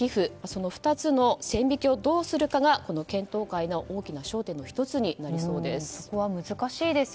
その２つの線引きをどうするかが検討会の大きな焦点の１つになりそうです。